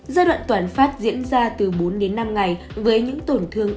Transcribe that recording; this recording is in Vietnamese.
giai đoạn toàn phát diễn ra từ bốn đến năm ngày với những tổn thương